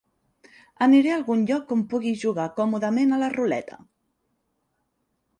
Aniré a algun lloc on pugui jugar còmodament a la ruleta.